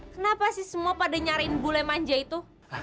kenapa sih semua pada nyariin bule manja itu